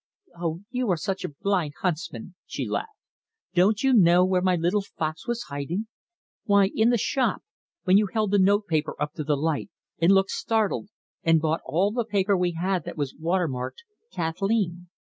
"Oh, you are such a blind huntsman!" she laughed. "Don't you know where my little fox was hiding? Why, in the shop, when you held the note paper up to the light, and looked startled, and bought all the paper we had that was water marked Kathleen.